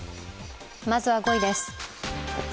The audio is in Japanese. まずは５位です。